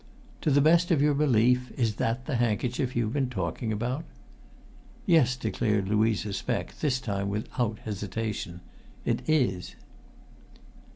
"To the best of your belief is that the handkerchief you've been talking about?" "Yes," declared Louisa Speck, this time without hesitation. "It is!"